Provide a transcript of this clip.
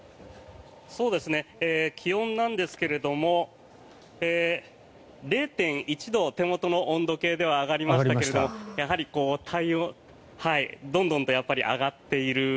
気温なんですが０．１度、手元の温度計では上がりましたけどどんどんと上がっている。